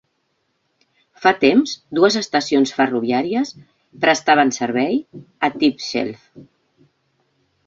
Fa temps dues estacions ferroviàries prestaven servei a Tibshelf.